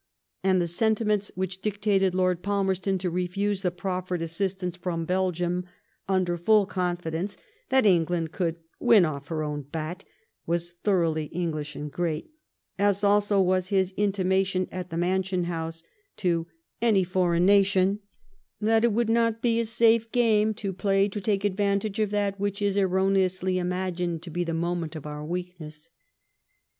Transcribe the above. And the sentiments which dictated Lord Palmerston to refuse the proffered assis tance from Belgium^ under full confidence that England could *^ win off her own bat," were thoroughly English and great ; as also was his intimation at the Mansion House to *^ any foreign nation '' that *' it would not be a safe game to play to take advantage of that which is erroneously imagined to be the moment of our weak ness."